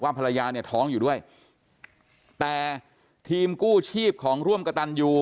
ภรรยาเนี่ยท้องอยู่ด้วยแต่ทีมกู้ชีพของร่วมกระตันยู